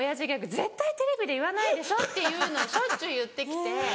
絶対テレビで言わないでしょっていうのをしょっちゅう言って来て。